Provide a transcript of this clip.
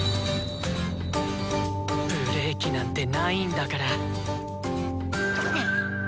ブレーキなんてないんだから。